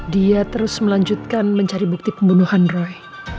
dia terus melanjutkan mencari bukti pembunuhan roy